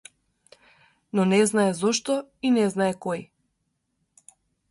Но не знае зошто, и не знае кој.